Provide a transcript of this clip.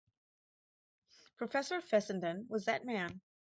Professor Fessenden was that man.